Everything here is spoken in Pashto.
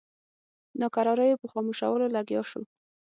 ناکراریو په خاموشولو لګیا شو.